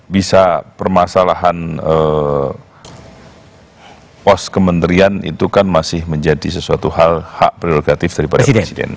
bisa permasalahan pos kementerian itu kan masih menjadi sesuatu hal hak prerogatif daripada presiden